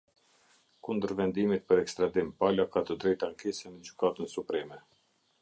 Kundër Vendimit për ekstradim, pala ka të drejtë ankese në Gjykatën Supreme.